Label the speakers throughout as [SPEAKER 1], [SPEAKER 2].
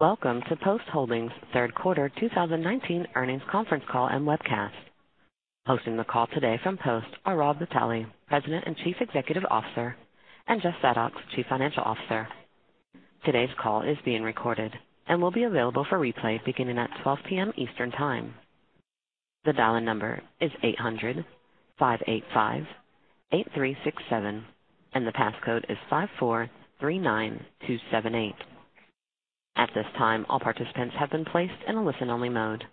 [SPEAKER 1] Welcome to Post Holdings third quarter 2019 earnings conference call and webcast. Hosting the call today from Post are Rob Vitale, President and Chief Executive Officer, and Jeff Zadoks, Chief Financial Officer. Today's call is being recorded and will be available for replay beginning at 12:00 P.M. Eastern Time. The dial-in number is 800-585-8367, and the passcode is 5439278. At this time, all participants have been placed in a listen-only mode.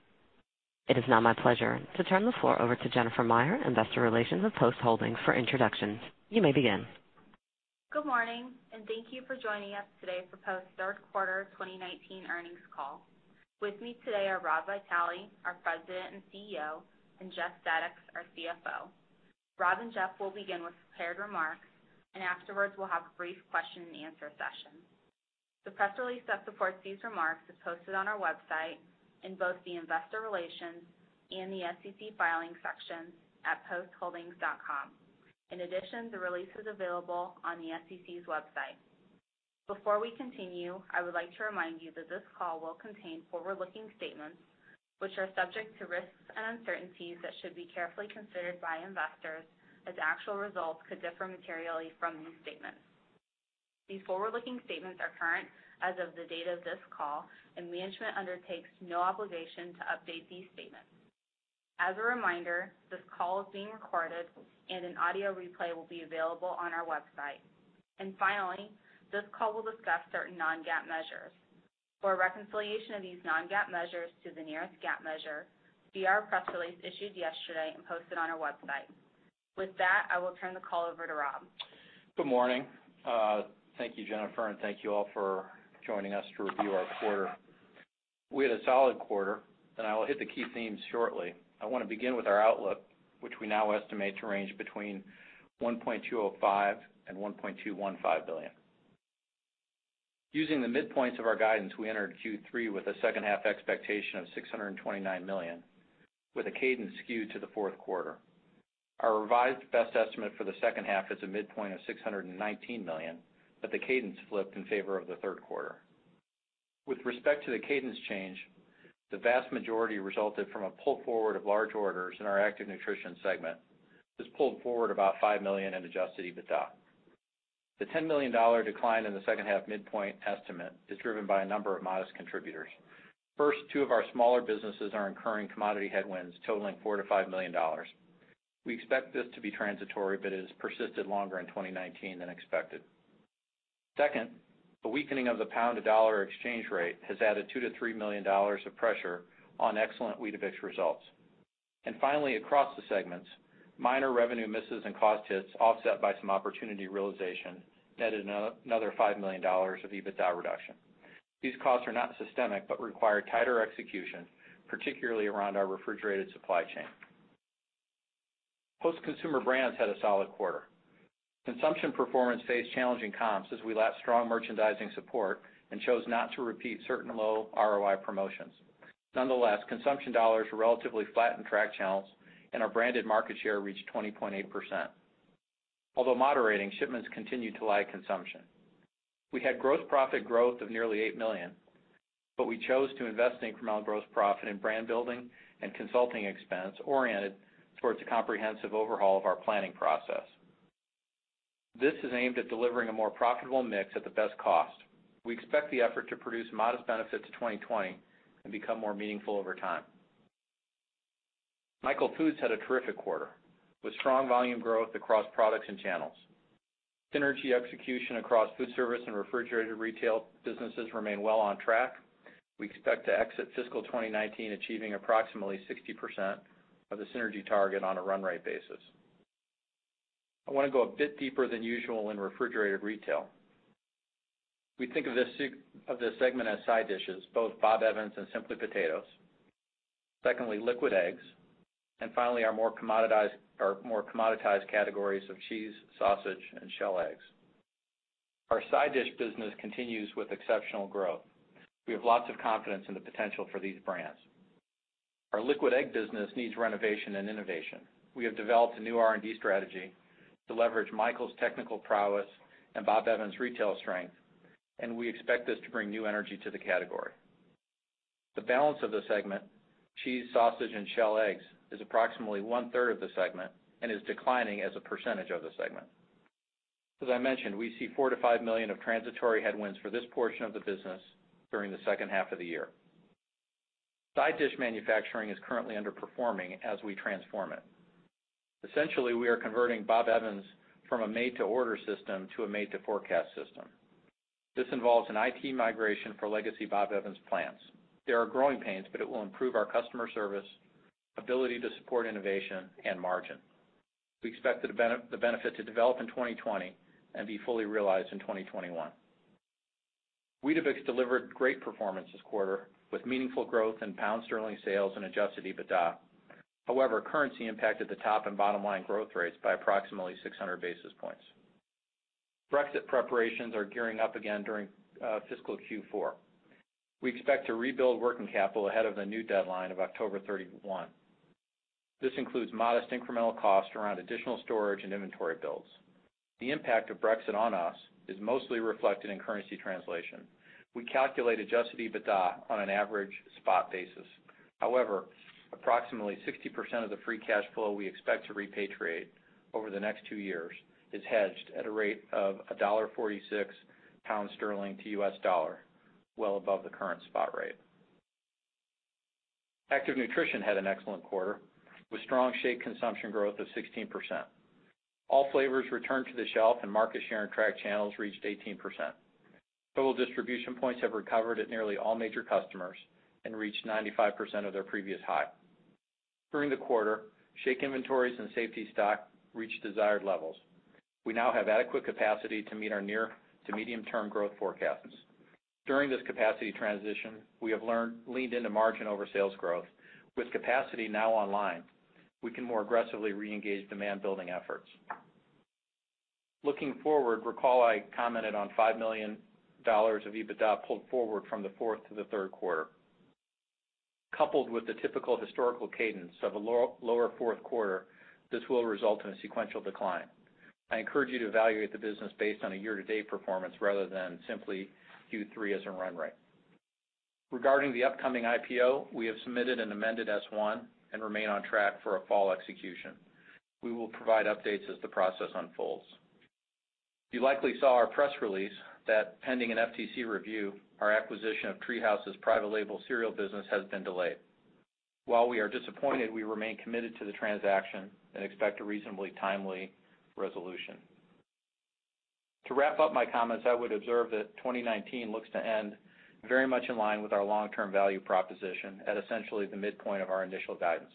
[SPEAKER 1] It is now my pleasure to turn the floor over to Jennifer Meyer, Investor Relations with Post Holdings, for introductions. You may begin.
[SPEAKER 2] Good morning. Thank you for joining us today for Post third quarter 2019 earnings call. With me today are Rob Vitale, our President and CEO, and Jeff Zadoks, our CFO. Rob and Jeff will begin with prepared remarks, and afterwards we'll have a brief question and answer session. The press release that supports these remarks is posted on our website in both the investor relations and the SEC filing sections at postholdings.com. In addition, the release is available on the SEC's website. Before we continue, I would like to remind you that this call will contain forward-looking statements, which are subject to risks and uncertainties that should be carefully considered by investors, as actual results could differ materially from these statements. These forward-looking statements are current as of the date of this call, and management undertakes no obligation to update these statements. As a reminder, this call is being recorded and an audio replay will be available on our website. Finally, this call will discuss certain non-GAAP measures. For a reconciliation of these non-GAAP measures to the nearest GAAP measure, see our press release issued yesterday and posted on our website. With that, I will turn the call over to Rob.
[SPEAKER 3] Good morning. Thank you, Jennifer, and thank you all for joining us to review our quarter. We had a solid quarter, and I will hit the key themes shortly. I want to begin with our outlook, which we now estimate to range between $1.205 billion and $1.215 billion. Using the midpoints of our guidance, we entered Q3 with a second half expectation of $629 million, with a cadence skewed to the fourth quarter. Our revised best estimate for the second half is a midpoint of $619 million, but the cadence flipped in favor of the third quarter. With respect to the cadence change, the vast majority resulted from a pull forward of large orders in our Active Nutrition segment. This pulled forward about $5 million in adjusted EBITDA. The $10 million decline in the second half midpoint estimate is driven by a number of modest contributors. First, two of our smaller businesses are incurring commodity headwinds totaling $4 million-$5 million. We expect this to be transitory, but it has persisted longer in 2019 than expected. Second, the weakening of the pound-to-dollar exchange rate has added $2 million-$3 million of pressure on excellent Weetabix results. Finally, across the segments, minor revenue misses and cost hits offset by some opportunity realization netted another $5 million of EBITDA reduction. These costs are not systemic but require tighter execution, particularly around our refrigerated supply chain. Post Consumer Brands had a solid quarter. Consumption performance faced challenging comps as we lacked strong merchandising support and chose not to repeat certain low ROI promotions. Nonetheless, consumption dollars were relatively flat in track channels, and our branded market share reached 20.8%. Although moderating, shipments continued to lag consumption. We had gross profit growth of nearly $8 million, but we chose to invest incremental gross profit in brand building and consulting expense oriented towards a comprehensive overhaul of our planning process. This is aimed at delivering a more profitable mix at the best cost. We expect the effort to produce modest benefit to 2020 and become more meaningful over time. Michael Foods had a terrific quarter, with strong volume growth across products and channels. Synergy execution across Foodservice and refrigerated retail businesses remain well on track. We expect to exit fiscal 2019 achieving approximately 60% of the synergy target on a run rate basis. I want to go a bit deeper than usual in refrigerated retail. We think of this segment as side dishes, both Bob Evans and Simply Potatoes. Secondly, liquid eggs, and finally, our more commoditized categories of cheese, sausage, and shell eggs. Our side dish business continues with exceptional growth. We have lots of confidence in the potential for these brands. Our liquid egg business needs renovation and innovation. We have developed a new R&D strategy to leverage Michael's technical prowess and Bob Evans' retail strength, and we expect this to bring new energy to the category. The balance of the segment, cheese, sausage, and shell eggs, is approximately one-third of the segment and is declining as a percentage of the segment. As I mentioned, we see $4 million-$5 million of transitory headwinds for this portion of the business during the second half of the year. Side dish manufacturing is currently underperforming as we transform it. Essentially, we are converting Bob Evans from a made-to-order system to a made-to-forecast system. This involves an IT migration for legacy Bob Evans plants. There are growing pains, but it will improve our customer service, ability to support innovation, and margin. We expect the benefit to develop in 2020 and be fully realized in 2021. Weetabix delivered great performance this quarter, with meaningful growth in pound sterling sales and adjusted EBITDA. However, currency impacted the top and bottom line growth rates by approximately 600 basis points. Brexit preparations are gearing up again during fiscal Q4. We expect to rebuild working capital ahead of the new deadline of October 31. This includes modest incremental cost around additional storage and inventory builds. The impact of Brexit on us is mostly reflected in currency translation. We calculate adjusted EBITDA on an average spot basis. However, approximately 60% of the free cash flow we expect to repatriate over the next two years is hedged at a rate of $1.46 GBP to USD, well above the current spot rate. Active Nutrition had an excellent quarter, with strong shake consumption growth of 16%. All flavors returned to the shelf, and market share in tracked channels reached 18%. Total distribution points have recovered at nearly all major customers and reached 95% of their previous high. During the quarter, shake inventories and safety stock reached desired levels. We now have adequate capacity to meet our near to medium-term growth forecasts. During this capacity transition, we have leaned into margin over sales growth. With capacity now online, we can more aggressively reengage demand building efforts. Looking forward, recall I commented on $5 million of EBITDA pulled forward from the fourth to the third quarter. Coupled with the typical historical cadence of a lower fourth quarter, this will result in a sequential decline. I encourage you to evaluate the business based on a year-to-date performance rather than simply Q3 as a run rate. Regarding the upcoming IPO, we have submitted an amended S1 and remain on track for a fall execution. We will provide updates as the process unfolds. You likely saw our press release that pending an FTC review, our acquisition of TreeHouse's private label cereal business has been delayed. While we are disappointed, we remain committed to the transaction and expect a reasonably timely resolution. To wrap up my comments, I would observe that 2019 looks to end very much in line with our long-term value proposition at essentially the midpoint of our initial guidance.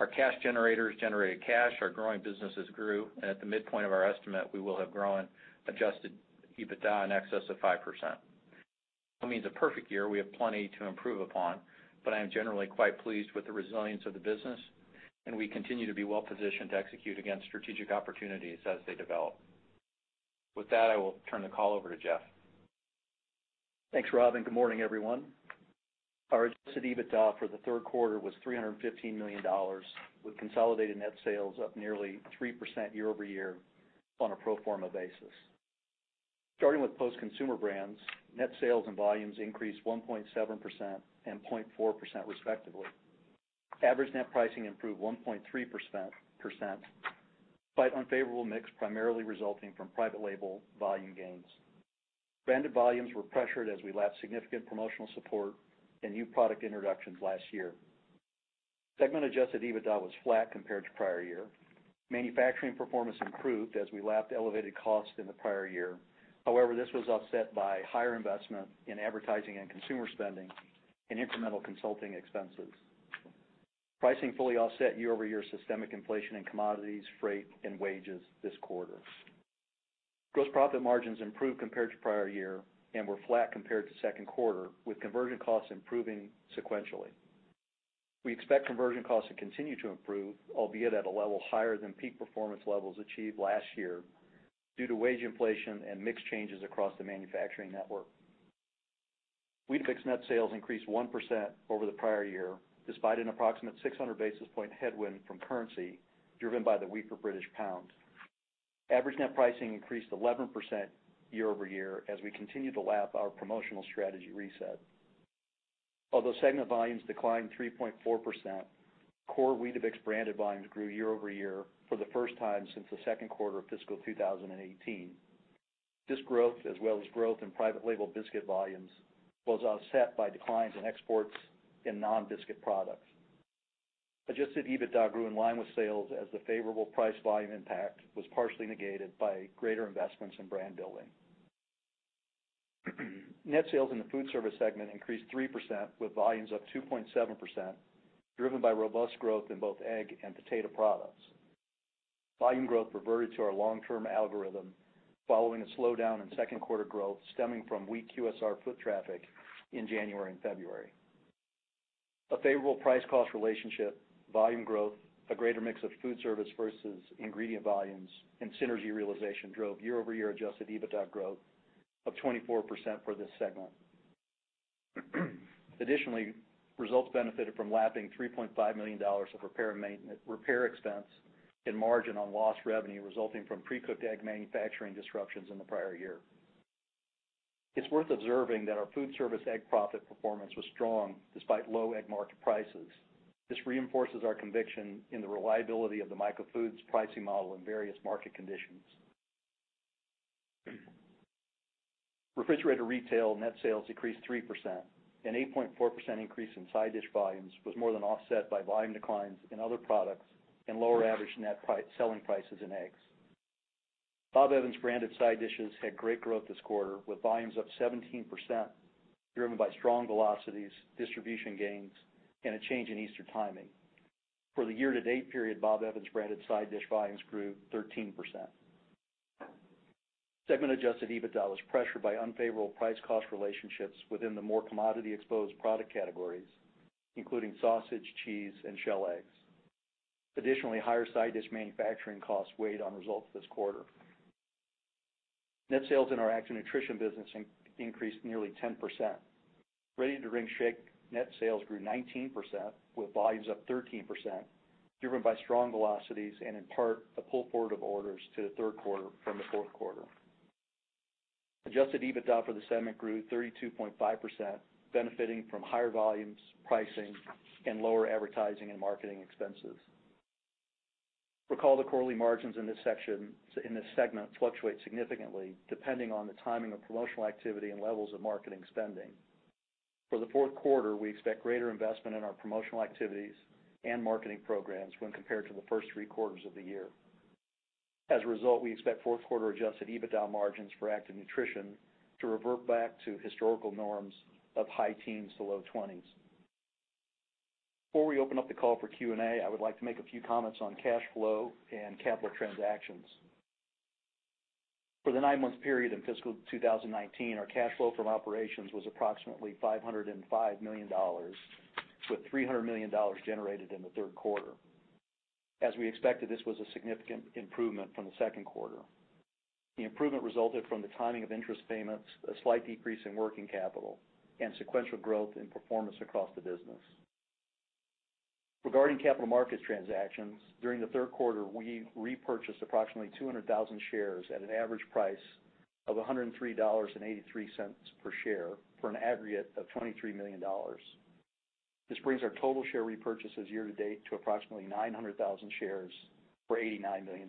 [SPEAKER 3] Our cash generators generated cash, our growing businesses grew, and at the midpoint of our estimate, we will have grown adjusted EBITDA in excess of 5%. By no means a perfect year, we have plenty to improve upon, but I am generally quite pleased with the resilience of the business, and we continue to be well-positioned to execute against strategic opportunities as they develop. With that, I will turn the call over to Jeff.
[SPEAKER 4] Thanks, Rob, and good morning, everyone. Our adjusted EBITDA for the third quarter was $315 million, with consolidated net sales up nearly 3% year-over-year on a pro forma basis. Starting with Post Consumer Brands, net sales and volumes increased 1.7% and 0.4% respectively. Average net pricing improved 1.3%, despite unfavorable mix, primarily resulting from private label volume gains. Branded volumes were pressured as we lapped significant promotional support and new product introductions last year. Segment adjusted EBITDA was flat compared to prior year. Manufacturing performance improved as we lapped elevated costs in the prior year. However, this was offset by higher investment in advertising and consumer spending and incremental consulting expenses. Pricing fully offset year-over-year systemic inflation in commodities, freight, and wages this quarter. Gross profit margins improved compared to prior year and were flat compared to second quarter, with conversion costs improving sequentially. We expect conversion costs to continue to improve, albeit at a level higher than peak performance levels achieved last year due to wage inflation and mix changes across the manufacturing network. Weetabix net sales increased 1% over the prior year, despite an approximate 600 basis point headwind from currency driven by the weaker British pound. Average net pricing increased 11% year-over-year as we continue to lap our promotional strategy reset. Although segment volumes declined 3.4%, core Weetabix branded volumes grew year-over-year for the first time since the second quarter of fiscal 2018. This growth, as well as growth in private label biscuit volumes, was offset by declines in exports in non-biscuit products. Adjusted EBITDA grew in line with sales as the favorable price-volume impact was partially negated by greater investments in brand building. Net sales in the Foodservice segment increased 3%, with volumes up 2.7%, driven by robust growth in both egg and potato products. Volume growth reverted to our long-term algorithm following a slowdown in second quarter growth stemming from weak QSR foot traffic in January and February. A favorable price cost relationship, volume growth, a greater mix of foodservice versus ingredient volumes, and synergy realization drove year-over-year adjusted EBITDA growth of 24% for this segment. Additionally, results benefited from lapping $3.5 million of repair expense in margin on lost revenue resulting from pre-cooked egg manufacturing disruptions in the prior year. It's worth observing that our foodservice egg profit performance was strong despite low egg market prices. This reinforces our conviction in the reliability of the Michael Foods pricing model in various market conditions. Refrigerator Retail net sales decreased 3%. An 8.4% increase in side dish volumes was more than offset by volume declines in other products and lower average net selling prices in eggs. Bob Evans branded side dishes had great growth this quarter, with volumes up 17%, driven by strong velocities, distribution gains, and a change in Easter timing. For the year-to-date period, Bob Evans branded side dish volumes grew 13%. Segment adjusted EBITDA was pressured by unfavorable price-cost relationships within the more commodity-exposed product categories, including sausage, cheese, and shell eggs. Additionally, higher side dish manufacturing costs weighed on results this quarter. Net sales in our Active Nutrition business increased nearly 10%. Ready-to-Drink Shake net sales grew 19%, with volumes up 13%, driven by strong velocities and, in part, a pull-forward of orders to the third quarter from the fourth quarter. adjusted EBITDA for the segment grew 32.5%, benefiting from higher volumes, pricing, and lower advertising and marketing expenses. Recall the quarterly margins in this segment fluctuate significantly depending on the timing of promotional activity and levels of marketing spending. For the fourth quarter, we expect greater investment in our promotional activities and marketing programs when compared to the first three quarters of the year. As a result, we expect fourth quarter adjusted EBITDA margins for Active Nutrition to revert back to historical norms of high teens to low 20s. Before we open up the call for Q&A, I would like to make a few comments on cash flow and capital transactions. For the nine-month period in fiscal 2019, our cash flow from operations was approximately $505 million, with $300 million generated in the third quarter. As we expected, this was a significant improvement from the second quarter. The improvement resulted from the timing of interest payments, a slight decrease in working capital, and sequential growth in performance across the business. Regarding capital market transactions, during the third quarter, we repurchased approximately 200,000 shares at an average price of $103.83 per share for an aggregate of $23 million. This brings our total share repurchases year to date to approximately 900,000 shares for $89 million.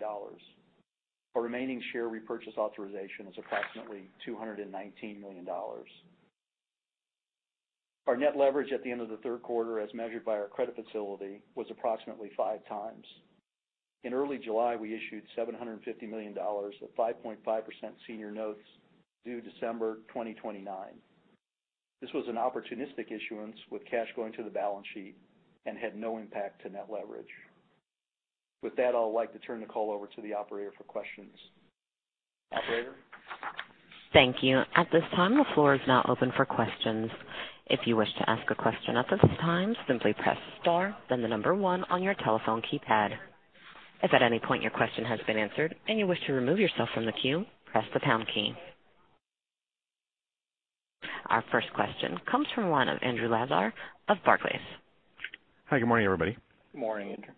[SPEAKER 4] Our remaining share repurchase authorization is approximately $219 million. Our net leverage at the end of the third quarter, as measured by our credit facility, was approximately 5x. In early July, we issued $750 million of 5.5% senior notes due December 2029. This was an opportunistic issuance with cash going to the balance sheet and had no impact to net leverage. With that, I'd like to turn the call over to the operator for questions. Operator?
[SPEAKER 1] Thank you. At this time, the floor is now open for questions. If you wish to ask a question at this time, simply press star, then the number 1 on your telephone keypad. If at any point your question has been answered and you wish to remove yourself from the queue, press the pound key. Our first question comes from the line of Andrew Lazar of Barclays.
[SPEAKER 5] Hi, good morning, everybody.
[SPEAKER 3] Good morning, Andrew.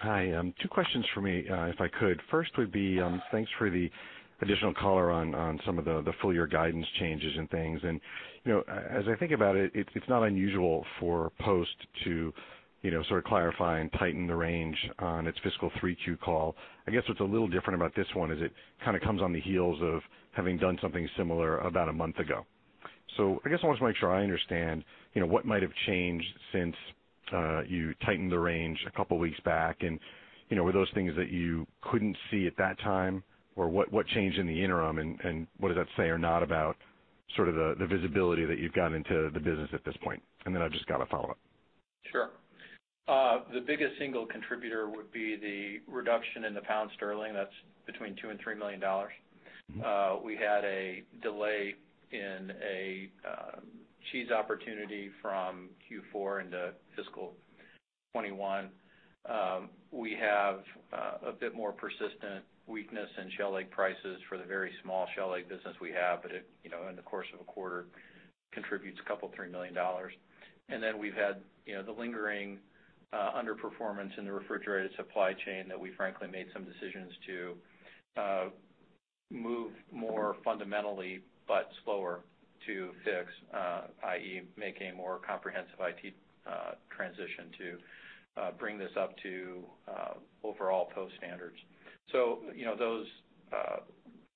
[SPEAKER 5] Hi. Two questions from me, if I could. First would be, thanks for the additional color on some of the full year guidance changes and things. As I think about it's not unusual for Post to sort of clarify and tighten the range on its fiscal 3Q call. I guess what's a little different about this one is it kind of comes on the heels of having done something similar about a month ago. I guess I want to make sure I understand, what might have changed since you tightened the range a couple of weeks back, and were those things that you couldn't see at that time? What changed in the interim, and what does that say or not about sort of the visibility that you've got into the business at this point? I've just got a follow-up.
[SPEAKER 3] Sure. The biggest single contributor would be the reduction in the pound sterling. That's between $2 million and $3 million. We had a delay in a cheese opportunity from Q4 into fiscal 2021. We have a bit more persistent weakness in shell egg prices for the very small shell egg business we have, but in the course of a quarter, contributes a couple, $3 million. We've had the lingering underperformance in the refrigerated supply chain that we frankly made some decisions to move more fundamentally, but slower to fix, i.e., make a more comprehensive IT transition to bring this up to overall Post standards. Those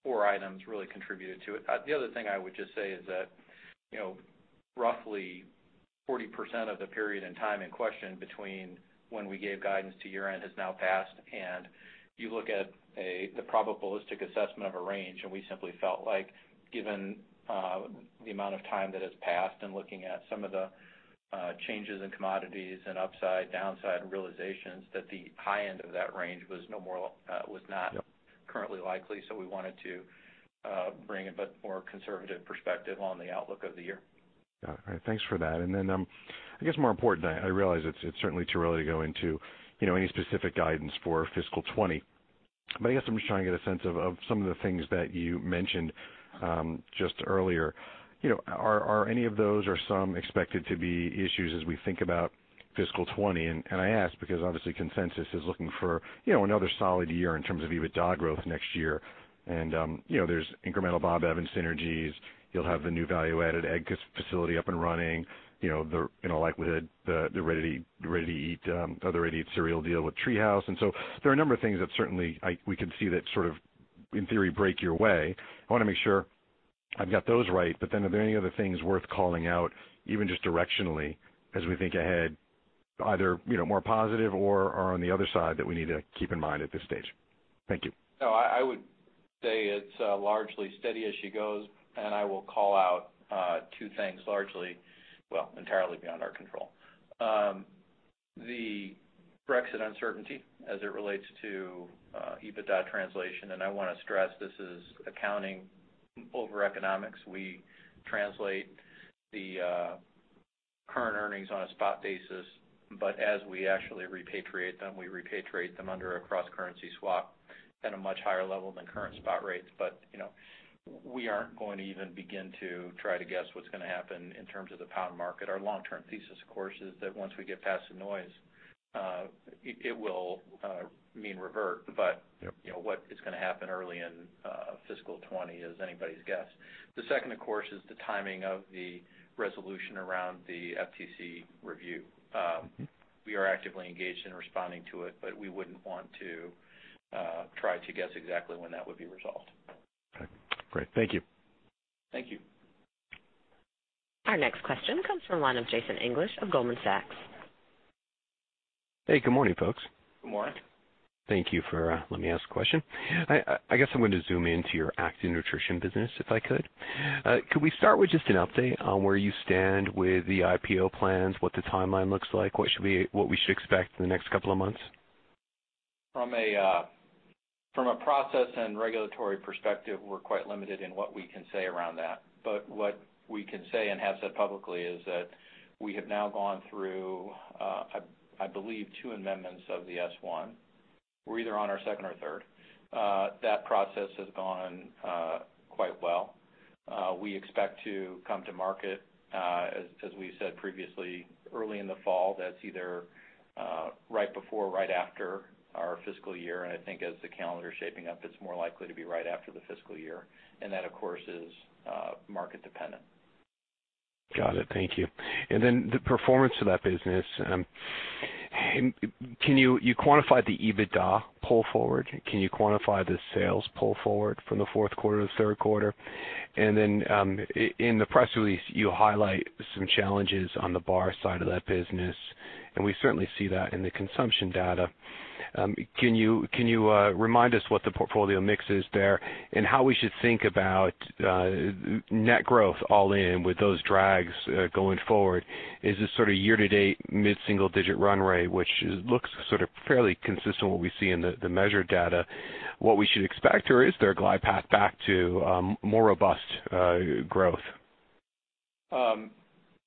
[SPEAKER 3] four items really contributed to it. The other thing I would just say is that roughly 40% of the period and time in question between when we gave guidance to year-end has now passed. You look at the probabilistic assessment of a range. We simply felt like given the amount of time that has passed and looking at some of the changes in commodities and upside, downside and realizations, that the high end of that range was not.
[SPEAKER 5] Yep
[SPEAKER 3] currently likely, so we wanted to bring a bit more conservative perspective on the outlook of the year.
[SPEAKER 5] Got it. All right. Thanks for that. Then, I guess more important, I realize it's certainly too early to go into any specific guidance for fiscal 2020, but I guess I'm just trying to get a sense of some of the things that you mentioned just earlier. Are any of those or some expected to be issues as we think about fiscal 2020? I ask because obviously consensus is looking for another solid year in terms of EBITDA growth next year. There's incremental Bob Evans synergies. You'll have the new value-added egg facility up and running, the likelihood the ready-to-eat cereal deal with TreeHouse. There are a number of things that certainly we can see that sort of, in theory, break your way. I want to make sure I've got those right, but then are there any other things worth calling out, even just directionally, as we think ahead, either more positive or on the other side that we need to keep in mind at this stage? Thank you.
[SPEAKER 3] No, I would say it's largely steady as she goes, and I will call out two things largely, well, entirely beyond our control. The Brexit uncertainty as it relates to EBITDA translation, and I want to stress this is accounting over economics. We translate the Current earnings on a spot basis, but as we actually repatriate them, we repatriate them under a cross-currency swap at a much higher level than current spot rates. We aren't going to even begin to try to guess what's going to happen in terms of the pound market. Our long-term thesis, of course, is that once we get past the noise, it will mean revert. What is going to happen early in fiscal 2020 is anybody's guess. The second, of course, is the timing of the resolution around the FTC review. We are actively engaged in responding to it, but we wouldn't want to try to guess exactly when that would be resolved.
[SPEAKER 5] Okay, great. Thank you.
[SPEAKER 3] Thank you.
[SPEAKER 1] Our next question comes from the line of Jason English of Goldman Sachs.
[SPEAKER 6] Hey, good morning, folks.
[SPEAKER 3] Good morning.
[SPEAKER 6] Thank you for letting me ask a question. I guess I'm going to zoom into your Active Nutrition business, if I could. Could we start with just an update on where you stand with the IPO plans, what the timeline looks like, what we should expect in the next couple of months?
[SPEAKER 3] From a process and regulatory perspective, we're quite limited in what we can say around that. What we can say and have said publicly is that we have now gone through, I believe, two amendments of the S-1. We're either on our second or third. That process has gone quite well. We expect to come to market, as we said previously, early in the fall. That's either right before or right after our fiscal year, and I think as the calendar's shaping up, it's more likely to be right after the fiscal year. That, of course, is market dependent.
[SPEAKER 6] Got it. Thank you. The performance of that business. You quantified the EBITDA pull forward. Can you quantify the sales pull forward from the fourth quarter to the third quarter? In the press release, you highlight some challenges on the bar side of that business, and we certainly see that in the consumption data. Can you remind us what the portfolio mix is there, and how we should think about net growth all in with those drags going forward? Is this sort of year-to-date mid-single-digit run rate, which looks fairly consistent with what we see in the measured data, what we should expect, or is there a glide path back to more robust growth?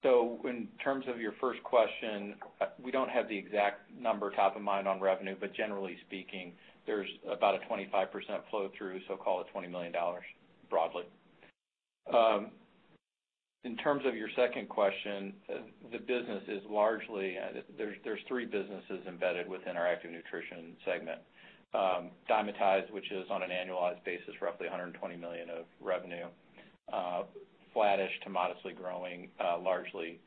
[SPEAKER 3] In terms of your first question, we don't have the exact number top of mind on revenue, but generally speaking, there's about a 25% flow-through, call it $20 million, broadly. In terms of your second question, there's three businesses embedded within our Active Nutrition segment. Dymatize, which is, on an annualized basis, roughly $120 million of revenue, flattish to modestly growing, largely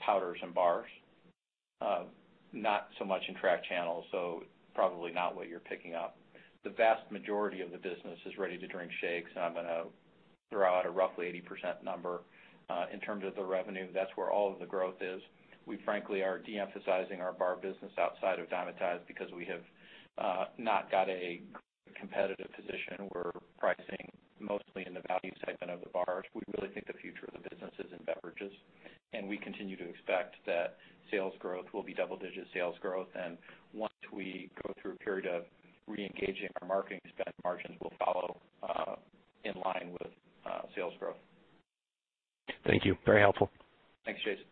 [SPEAKER 3] powders and bars. Not so much in track channels, so probably not what you're picking up. The vast majority of the business is ready-to-drink shakes, and I'm going to throw out a roughly 80% number. In terms of the revenue, that's where all of the growth is. We frankly are de-emphasizing our bar business outside of Dymatize because we have not got a competitive position. We're pricing mostly in the value segment of the bars. We really think the future of the business is in beverages. We continue to expect that sales growth will be double-digit sales growth. Once we go through a period of re-engaging our marketing spend, margins will follow in line with sales growth.
[SPEAKER 6] Thank you. Very helpful.
[SPEAKER 3] Thanks, Jason.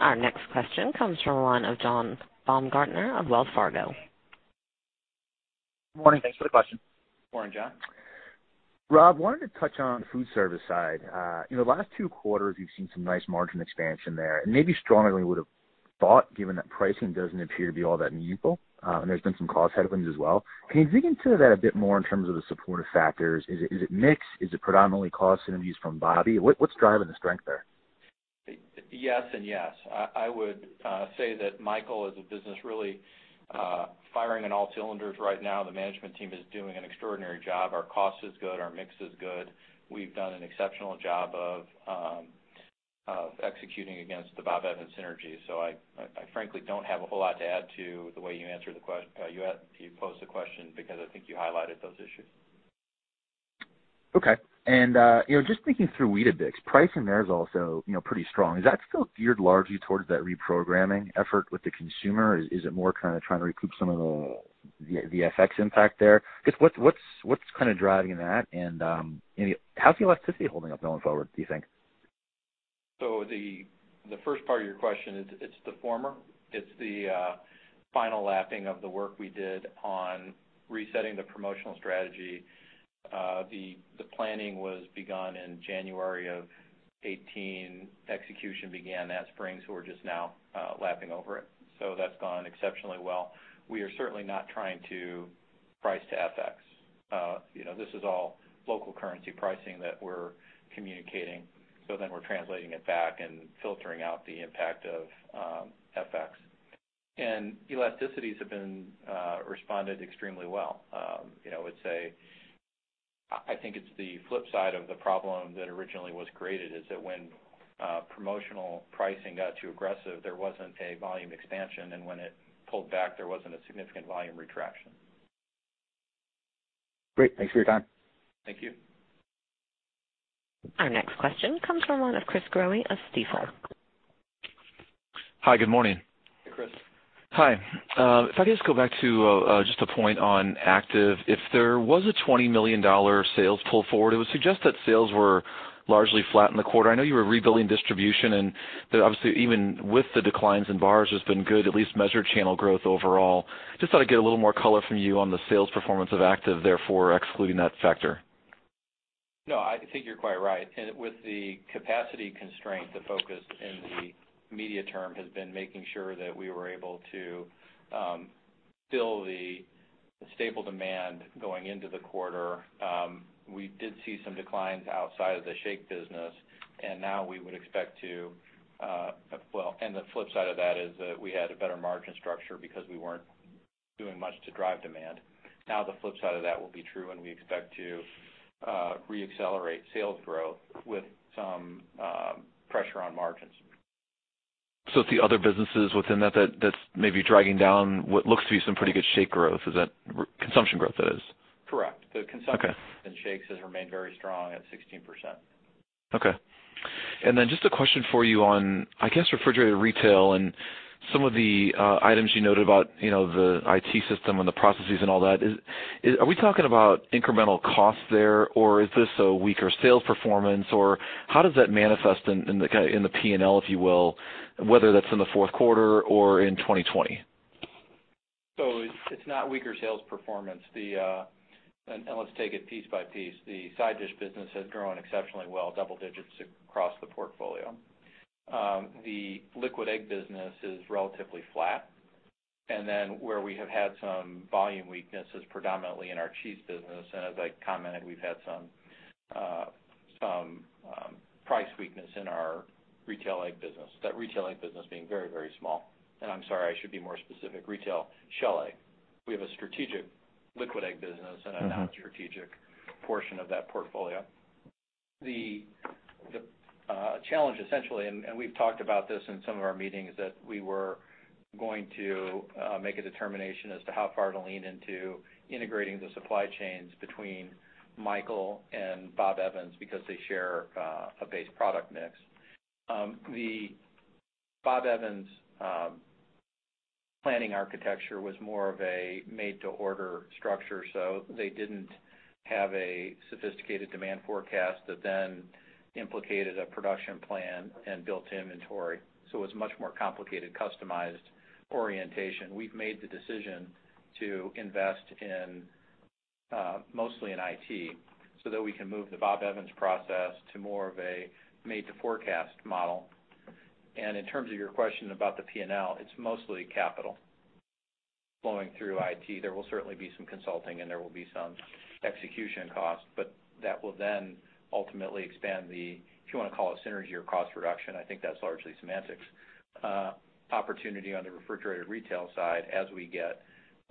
[SPEAKER 1] Our next question comes from the line of John Baumgartner of Wells Fargo.
[SPEAKER 7] Good morning. Thanks for the question.
[SPEAKER 3] Morning, John.
[SPEAKER 7] Rob, wanted to touch on the Foodservice side. In the last two quarters, you've seen some nice margin expansion there, maybe stronger than we would've thought, given that pricing doesn't appear to be all that needful, there's been some cost headwinds as well. Can you dig into that a bit more in terms of the supportive factors? Is it mix? Is it predominantly cost synergies from Bob Evans? What's driving the strength there?
[SPEAKER 3] Yes and yes. I would say that Michael is a business really firing on all cylinders right now. The management team is doing an extraordinary job. Our cost is good, our mix is good. We've done an exceptional job of executing against the Bob Evans synergy. I frankly don't have a whole lot to add to the way you posed the question because I think you highlighted those issues.
[SPEAKER 7] Okay. Just thinking through Weetabix, pricing there is also pretty strong. Is that still geared largely towards that reprogramming effort with the consumer? Is it more trying to recoup some of the FX impact there? Because what's driving that, and how's the elasticity holding up going forward, do you think?
[SPEAKER 3] The first part of your question, it's the former. It's the final lapping of the work we did on resetting the promotional strategy. The planning was begun in January of 2018. Execution began that spring, we're just now lapping over it. That's gone exceptionally well. We are certainly not trying to price to FX. This is all local currency pricing that we're communicating. We're translating it back and filtering out the impact of FX. Elasticities have responded extremely well. I would say, I think it's the flip side of the problem that originally was created, is that when promotional pricing got too aggressive, there wasn't a volume expansion, and when it pulled back, there wasn't a significant volume retraction.
[SPEAKER 7] Great. Thanks for your time.
[SPEAKER 3] Thank you.
[SPEAKER 1] Our next question comes from the line of Chris Growe of Stifel.
[SPEAKER 8] Hi, good morning.
[SPEAKER 3] Hey, Chris.
[SPEAKER 8] Hi. If I could just go back to just a point on active. If there was a $20 million sales pull forward, it would suggest that sales were largely flat in the quarter. I know you were rebuilding distribution and that obviously even with the declines in bars has been good, at least measured channel growth overall. Just thought I'd get a little more color from you on the sales performance of active, therefore excluding that factor.
[SPEAKER 3] No, I think you're quite right. With the capacity constraint, the focus in the medium term has been making sure that we were able to fill the staple demand going into the quarter. We did see some declines outside of the shake business, and the flip side of that is that we had a better margin structure because we weren't doing much to drive demand. The flip side of that will be true, and we expect to re-accelerate sales growth with some pressure on margins.
[SPEAKER 8] It's the other businesses within that's maybe dragging down what looks to be some pretty good shake growth. Is that consumption growth, that is?
[SPEAKER 3] Correct.
[SPEAKER 8] Okay.
[SPEAKER 3] The consumption in shakes has remained very strong at 16%.
[SPEAKER 8] Okay. Just a question for you on, I guess, refrigerated retail and some of the items you noted about the IT system and the processes and all that. Are we talking about incremental costs there, or is this a weaker sales performance, or how does that manifest in the P&L, if you will, whether that's in the fourth quarter or in 2020?
[SPEAKER 3] It's not weaker sales performance. Let's take it piece by piece. The side dish business has grown exceptionally well, double digits across the portfolio. The liquid egg business is relatively flat. Where we have had some volume weakness is predominantly in our cheese business. As I commented, we've had some price weakness in our retail egg business. That retail egg business being very, very small. I'm sorry, I should be more specific, retail shell egg. We have a strategic liquid egg business and a non-strategic portion of that portfolio. The challenge essentially, and we've talked about this in some of our meetings, that we were going to make a determination as to how far to lean into integrating the supply chains between Michael Foods and Bob Evans because they share a base product mix. The Bob Evans planning architecture was more of a made-to-order structure, so they didn't have a sophisticated demand forecast that then implicated a production plan and built inventory. It was much more complicated, customized orientation. We've made the decision to invest mostly in IT, so that we can move the Bob Evans process to more of a made-to-forecast model. In terms of your question about the P&L, it's mostly capital flowing through IT. There will certainly be some consulting and there will be some execution costs, but that will then ultimately expand the, if you want to call it synergy or cost reduction, I think that's largely semantics, opportunity on the refrigerated retail side as we get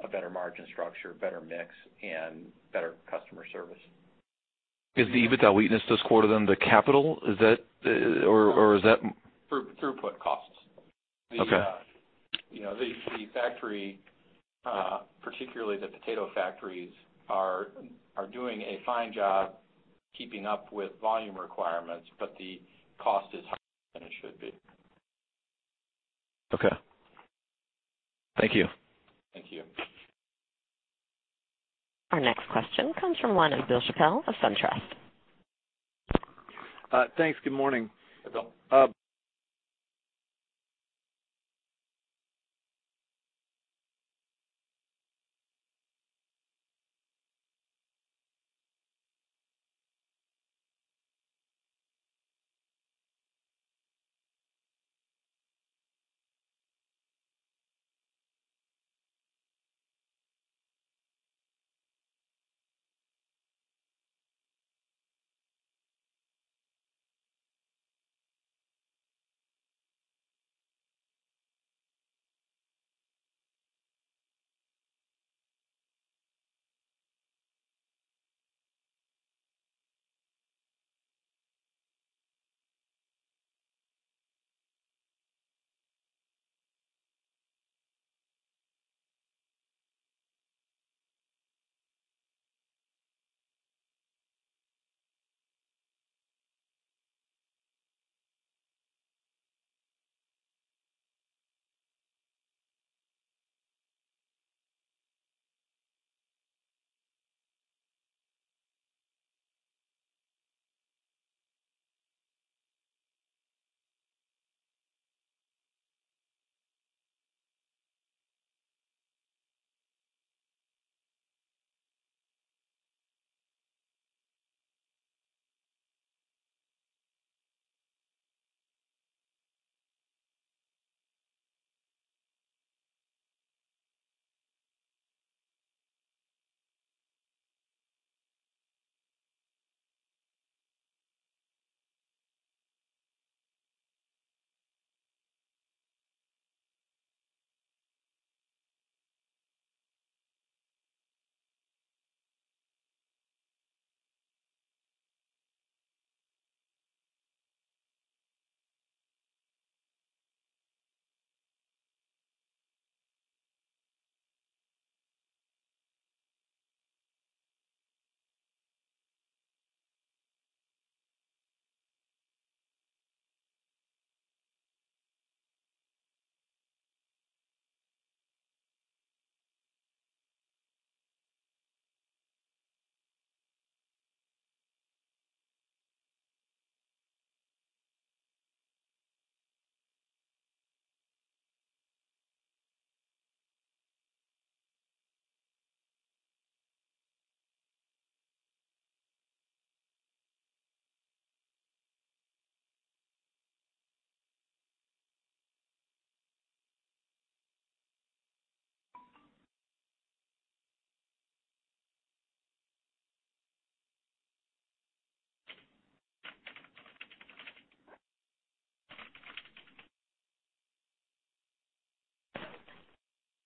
[SPEAKER 3] a better margin structure, better mix, and better customer service.
[SPEAKER 8] Is the EBITDA weakness this quarter, then, the capital?
[SPEAKER 3] Throughput costs.
[SPEAKER 8] Okay.
[SPEAKER 3] The factory, particularly the potato factories, are doing a fine job keeping up with volume requirements, but the cost is higher than it should be.
[SPEAKER 8] Okay. Thank you.
[SPEAKER 3] Thank you.
[SPEAKER 1] Our next question comes from the line of Bill Chappell of SunTrust.
[SPEAKER 9] Thanks. Good morning.
[SPEAKER 3] Hi, Bill.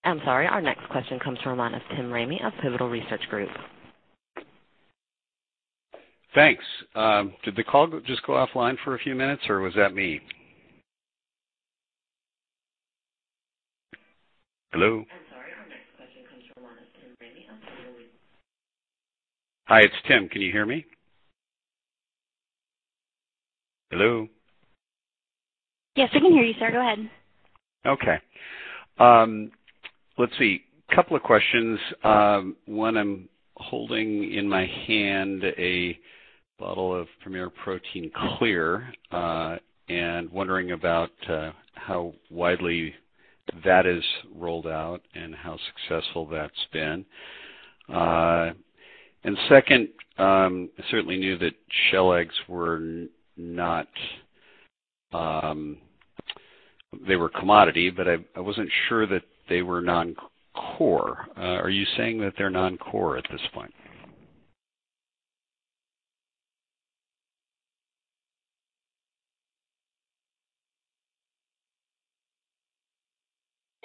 [SPEAKER 1] I'm sorry. Our next question comes from the line of Tim Ramey of Pivotal Research Group.
[SPEAKER 10] Thanks. Did the call just go offline for a few minutes, or was that me? Hello?
[SPEAKER 1] I'm sorry. Our next question comes from the line of Tim Ramey of Pivotal.
[SPEAKER 10] Hi, it's Tim. Can you hear me? Hello?
[SPEAKER 1] Yes, I can hear you, sir. Go ahead.
[SPEAKER 10] Okay. Let's see. Couple of questions. One, I'm holding in my hand a bottle of Premier Protein Clear, and wondering about how widely that is rolled out and how successful that's been. Second, I certainly knew that shell eggs were a commodity, but I wasn't sure that they were non-core. Are you saying that they're non-core at this point?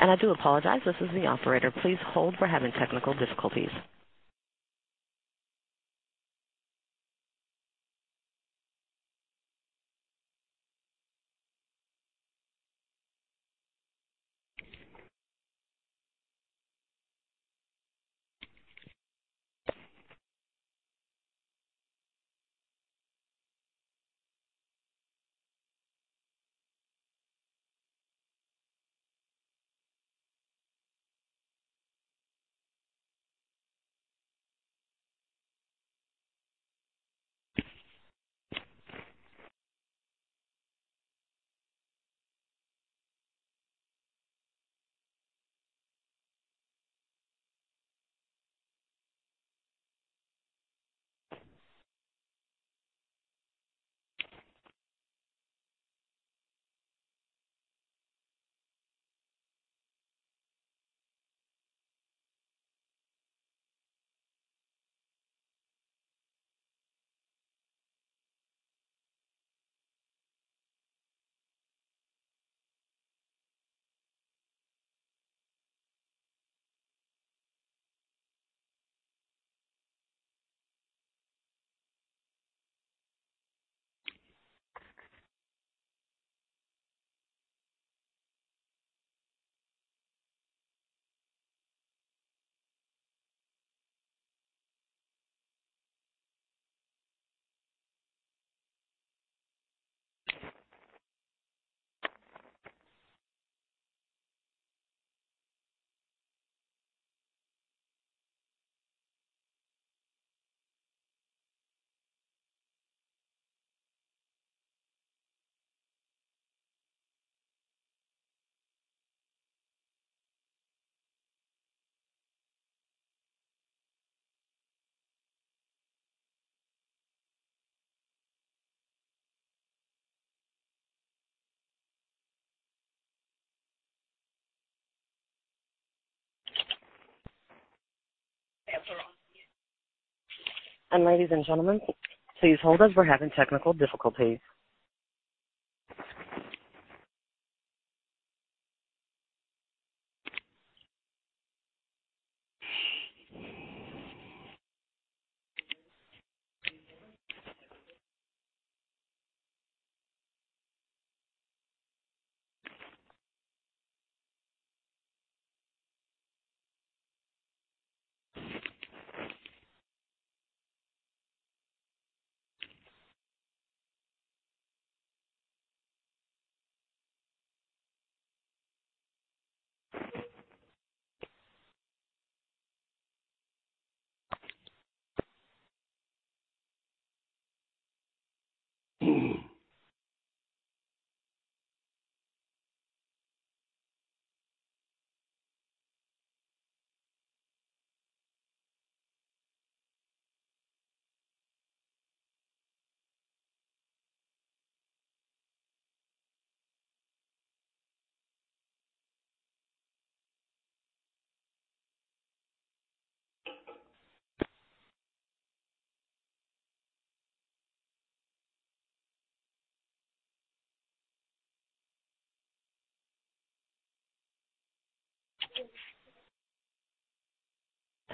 [SPEAKER 1] I do apologize. This is the operator. Please hold, we're having technical difficulties.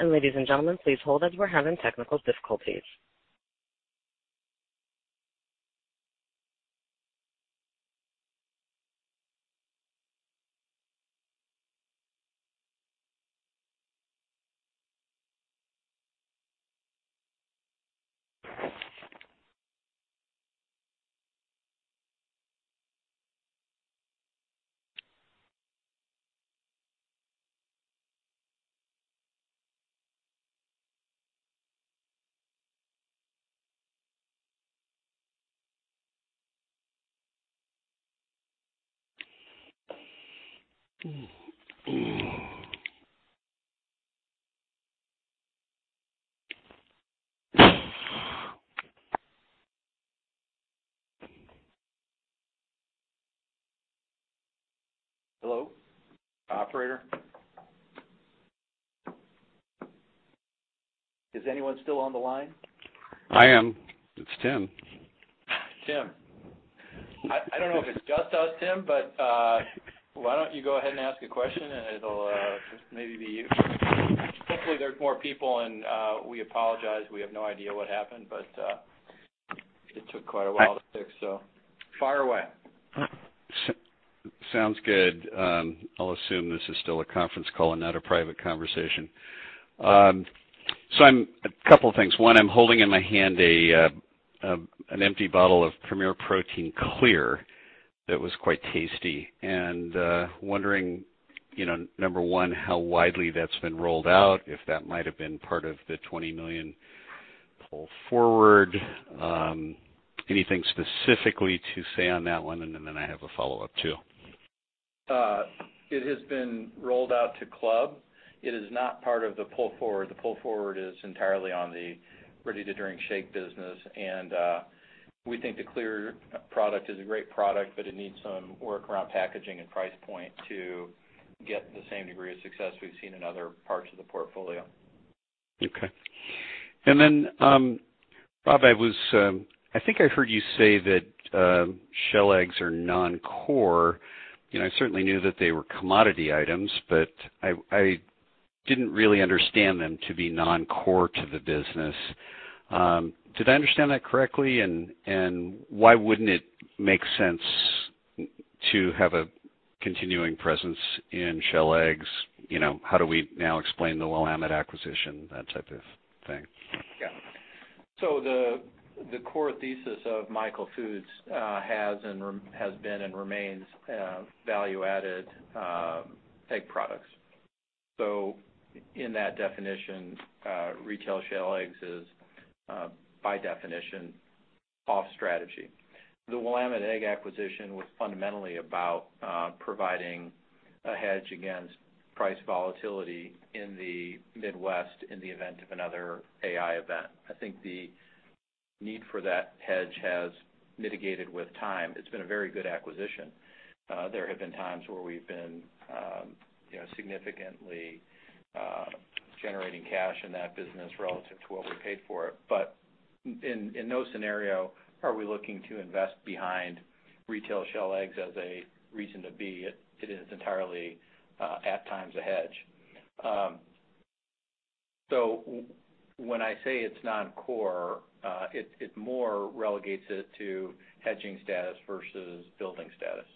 [SPEAKER 1] Ladies and gentlemen, please hold as we're having technical difficulties.
[SPEAKER 3] Hello? Operator? Is anyone still on the line?
[SPEAKER 10] I am. It's Tim.
[SPEAKER 3] Tim, I don't know if it's just us, Tim. Why don't you go ahead and ask a question and it'll maybe be you. Hopefully there's more people and we apologize. We have no idea what happened, but it took quite a while to fix. Fire away.
[SPEAKER 10] Sounds good. I'll assume this is still a conference call and not a private conversation. A couple of things. One, I'm holding in my hand an empty bottle of Premier Protein Clear that was quite tasty and wondering, number one, how widely that's been rolled out, if that might have been part of the $20 million pull forward. Anything specifically to say on that one? I have a follow-up, too.
[SPEAKER 3] It has been rolled out to club. It is not part of the pull forward. The pull forward is entirely on the ready-to-drink shake business, and we think the Clear product is a great product, but it needs some work around packaging and price point to get the same degree of success we've seen in other parts of the portfolio.
[SPEAKER 10] Okay. Rob, I think I heard you say that shell eggs are non-core. I certainly knew that they were commodity items, but I didn't really understand them to be non-core to the business. Did I understand that correctly? Why wouldn't it make sense to have a continuing presence in shell eggs? How do we now explain the Willamette acquisition, that type of thing?
[SPEAKER 3] Yeah. The core thesis of Michael Foods has been and remains value added egg products. In that definition, retail shell eggs is, by definition, off strategy. The Willamette Egg acquisition was fundamentally about providing a hedge against price volatility in the Midwest in the event of another AI event. I think the need for that hedge has mitigated with time. It's been a very good acquisition. There have been times where we've been significantly generating cash in that business relative to what we paid for it. In no scenario are we looking to invest behind retail shell eggs as a reason to be. It is entirely, at times, a hedge. When I say it's non-core, it more relegates it to hedging status versus building status.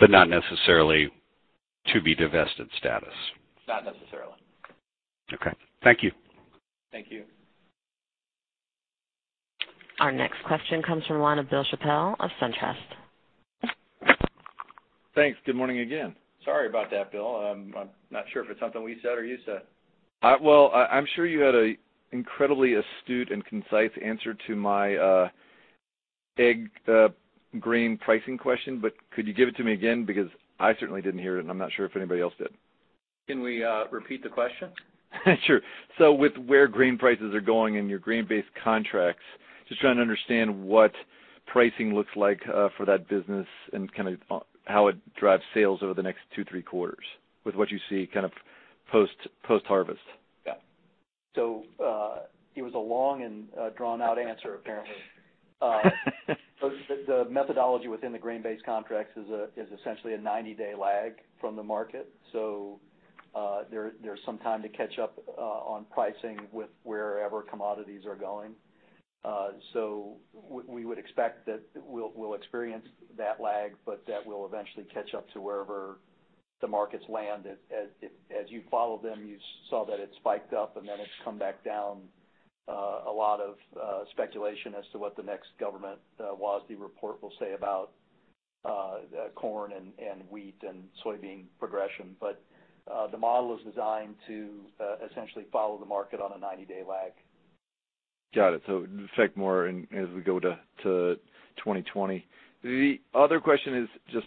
[SPEAKER 10] not necessarily to be divested status.
[SPEAKER 3] Not necessarily.
[SPEAKER 10] Okay. Thank you.
[SPEAKER 3] Thank you.
[SPEAKER 1] Our next question comes from the line of Bill Chappell of SunTrust.
[SPEAKER 9] Thanks. Good morning again.
[SPEAKER 3] Sorry about that, Bill. I'm not sure if it's something we said or you said.
[SPEAKER 9] Well, I'm sure you had an incredibly astute and concise answer to my egg grain pricing question, but could you give it to me again? I certainly didn't hear it, and I'm not sure if anybody else did.
[SPEAKER 3] Can we repeat the question?
[SPEAKER 9] Sure. With where grain prices are going and your grain-based contracts, just trying to understand what pricing looks like for that business and how it drives sales over the next two, three quarters with what you see post-harvest.
[SPEAKER 3] Yeah. It was a long and drawn-out answer, apparently. The methodology within the grain-based contracts is essentially a 90-day lag from the market. There's some time to catch up on pricing with wherever commodities are going. As you follow them, you saw that it spiked up and then it's come back down. A lot of speculation as to what the next government WASDE report will say about corn and wheat and soybean progression. The model is designed to essentially follow the market on a 90-day lag.
[SPEAKER 9] Got it. It would affect more as we go to 2020. The other question is just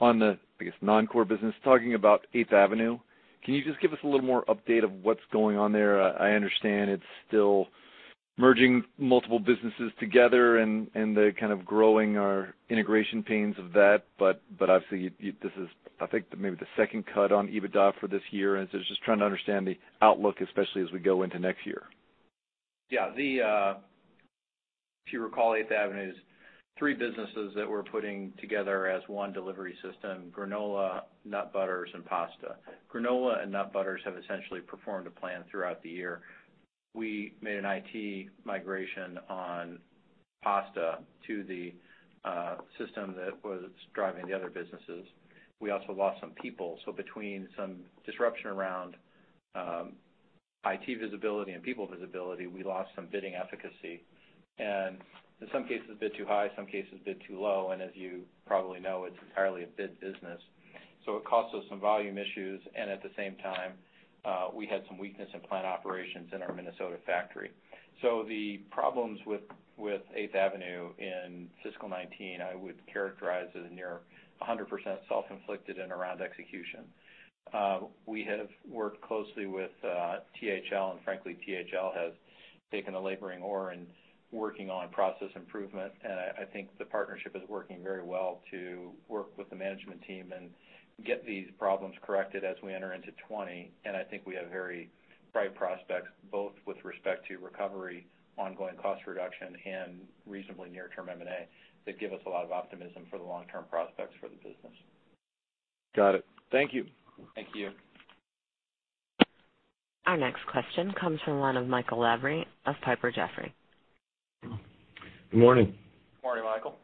[SPEAKER 9] on the, I guess, non-core business, talking about 8th Avenue. Can you just give us a little more update of what's going on there? I understand it's still merging multiple businesses together and the kind of growing or integration pains of that. Obviously, this is, I think, maybe the second cut on EBITDA for this year. Just trying to understand the outlook, especially as we go into next year.
[SPEAKER 3] Yeah. If you recall, 8th Avenue is three businesses that we're putting together as one delivery system, granola, nut butters, and Pasta. Granola and nut butters have essentially performed to plan throughout the year. We made an IT migration on Pasta to the system that was driving the other businesses. We also lost some people. Between some disruption around IT visibility and people visibility, we lost some bidding efficacy and in some cases, bid too high, some cases bid too low, and as you probably know, it's entirely a bid business. It cost us some volume issues, and at the same time, we had some weakness in plant operations in our Minnesota factory. The problems with 8th Avenue in fiscal 2019, I would characterize as near 100% self-inflicted and around execution. We have worked closely with THL, and frankly, THL has taken a laboring oar in working on process improvement, and I think the partnership is working very well to work with the management team and get these problems corrected as we enter into 2020. I think we have very bright prospects, both with respect to recovery, ongoing cost reduction, and reasonably near-term M&A that give us a lot of optimism for the long-term prospects for the business.
[SPEAKER 9] Got it. Thank you.
[SPEAKER 3] Thank you.
[SPEAKER 1] Our next question comes from the line of Michael Lavery of Piper Jaffray.
[SPEAKER 11] Good morning.
[SPEAKER 3] Morning, Michael.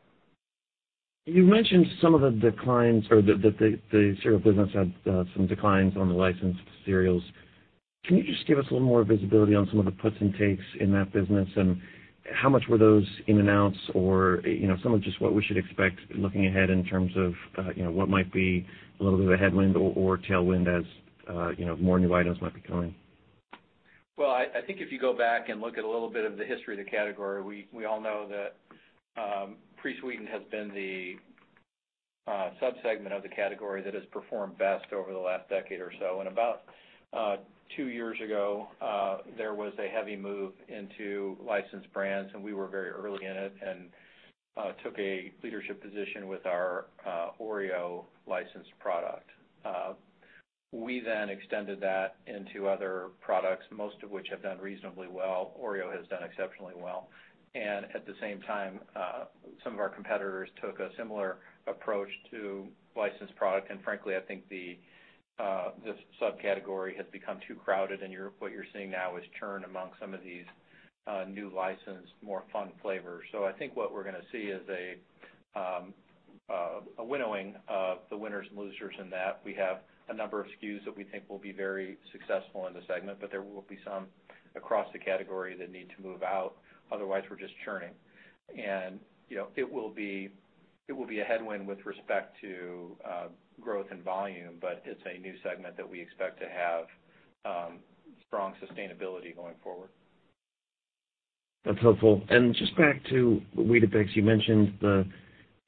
[SPEAKER 11] You mentioned some of the declines or that the cereal business had some declines on the licensed cereals. Can you just give us a little more visibility on some of the puts and takes in that business? How much were those in and outs? Some of just what we should expect looking ahead in terms of what might be a little bit of a headwind or tailwind as more new items might be coming.
[SPEAKER 3] Well, I think if you go back and look at a little bit of the history of the category, we all know that pre-sweetened has been the subsegment of the category that has performed best over the last decade or so. About two years ago, there was a heavy move into licensed brands, and we were very early in it and took a leadership position with our Oreo licensed product. We then extended that into other products, most of which have done reasonably well. Oreo has done exceptionally well. At the same time, some of our competitors took a similar approach to licensed product, and frankly, I think this subcategory has become too crowded, and what you're seeing now is churn amongst some of these new licensed, more fun flavors. I think what we're going to see is a winnowing of the winners and losers in that. We have a number of SKUs that we think will be very successful in the segment. There will be some across the category that need to move out. Otherwise, we're just churning. It will be a headwind with respect to growth and volume, but it's a new segment that we expect to have strong sustainability going forward.
[SPEAKER 11] That's helpful. Just back to Weetabix, you mentioned the,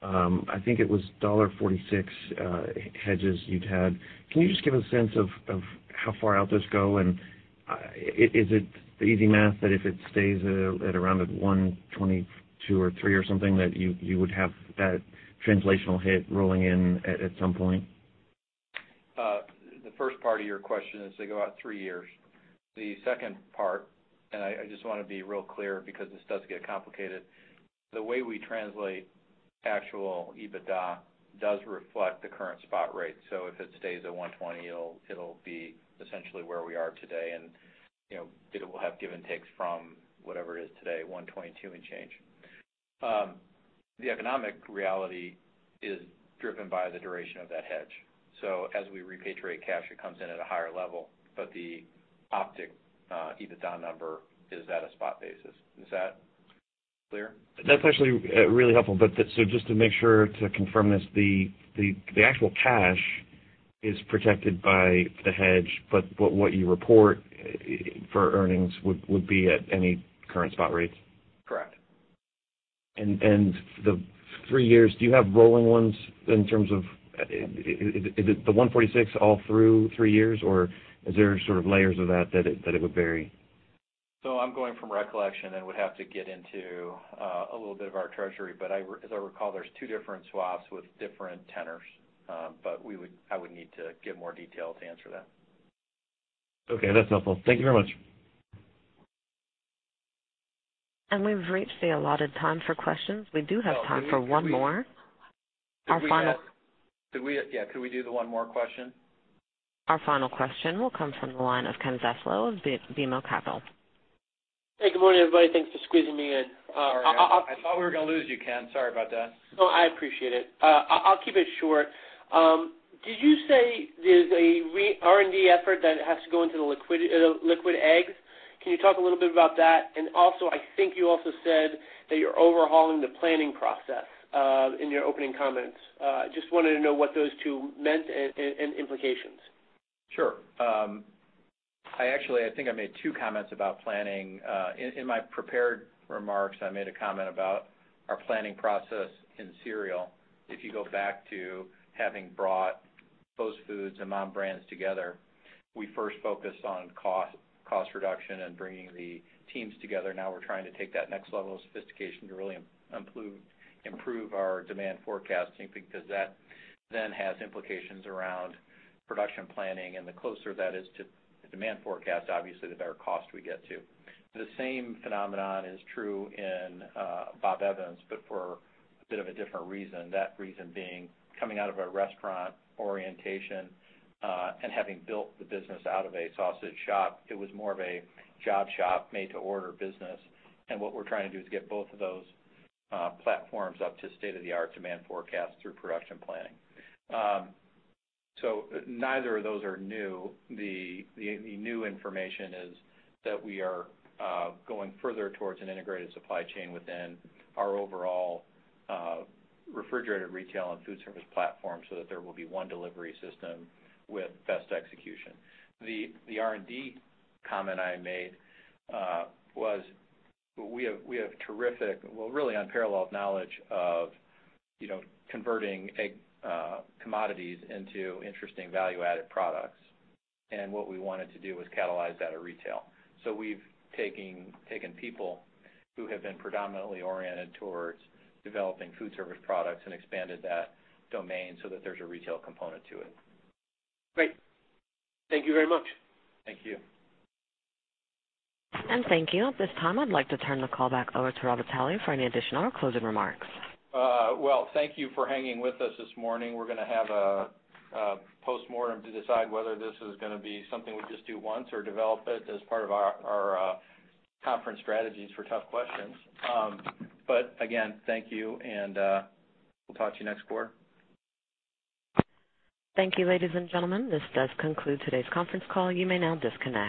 [SPEAKER 11] I think it was $1.46 hedges you'd had. Can you just give a sense of how far out those go? Is it the easy math that if it stays at around at 122 or 123 or something, that you would have that translational hit rolling in at some point?
[SPEAKER 3] The first part of your question is they go out three years. The second part, and I just want to be real clear because this does get complicated, the way we translate actual EBITDA does reflect the current spot rate. If it stays at 120, it'll be essentially where we are today, and it will have give and takes from whatever it is today, 122 and change. The economic reality is driven by the duration of that hedge. As we repatriate cash, it comes in at a higher level, but the optic EBITDA number is at a spot basis. Is that clear?
[SPEAKER 11] That's actually really helpful. Just to make sure to confirm this, the actual cash is protected by the hedge, but what you report for earnings would be at any current spot rate?
[SPEAKER 3] Correct.
[SPEAKER 11] The three years, do you have rolling ones in terms of, is it the 146 all through three years, or is there sort of layers of that it would vary?
[SPEAKER 3] I'm going from recollection and would have to get into a little bit of our treasury, but as I recall, there's two different swaps with different tenors. I would need to get more detail to answer that.
[SPEAKER 11] Okay, that's helpful. Thank you very much.
[SPEAKER 1] We've reached the allotted time for questions. We do have time for one more.
[SPEAKER 3] Yeah, could we do the one more question?
[SPEAKER 1] Our final question will come from the line of Ken Zaslow of BMO Capital.
[SPEAKER 12] Hey, good morning, everybody. Thanks for squeezing me in.
[SPEAKER 3] Sorry, I thought we were gonna lose you, Ken. Sorry about that.
[SPEAKER 12] No, I appreciate it. I'll keep it short. Did you say there's an R&D effort that has to go into the liquid eggs? Can you talk a little bit about that? Also, I think you also said that you're overhauling the planning process in your opening comments. Just wanted to know what those two meant and implications?
[SPEAKER 3] Sure. I actually, I think I made two comments about planning. In my prepared remarks, I made a comment about our planning process in cereal. If you go back to having brought Post Foods and MOM Brands together, we first focused on cost reduction and bringing the teams together. Now we're trying to take that next level of sophistication to really improve our demand forecasting, because that then has implications around production planning, and the closer that is to the demand forecast, obviously, the better cost we get to. The same phenomenon is true in Bob Evans, but for a bit of a different reason. That reason being, coming out of a restaurant orientation, and having built the business out of a sausage shop, it was more of a job shop made to order business. What we're trying to do is get both of those platforms up to state-of-the-art demand forecast through production planning. Neither of those are new. The new information is that we are going further towards an integrated supply chain within our overall refrigerated retail and Foodservice platform so that there will be one delivery system with best execution. The R&D comment I made was we have terrific, well, really unparalleled knowledge of converting egg commodities into interesting value-added products. What we wanted to do was catalyze that at retail. We've taken people who have been predominantly oriented towards developing Foodservice products and expanded that domain so that there's a retail component to it.
[SPEAKER 12] Great. Thank you very much.
[SPEAKER 3] Thank you.
[SPEAKER 1] Thank you. At this time, I'd like to turn the call back over to Rob Vitale for any additional or closing remarks.
[SPEAKER 3] Well, thank you for hanging with us this morning. We're gonna have a postmortem to decide whether this is gonna be something we just do once or develop it as part of our conference strategies for tough questions. Again, thank you, and we'll talk to you next quarter.
[SPEAKER 1] Thank you, ladies and gentlemen. This does conclude today's conference call. You may now disconnect.